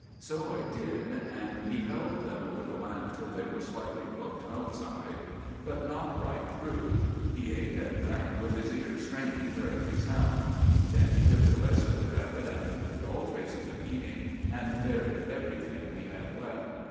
So I did, and he held them over the lamp till they were slightly cooked outside, but not right through. He ate and drank with his ears straining for every sound. Then he took the rest of the rabbit and removed all traces of eating, and buried everything we had left.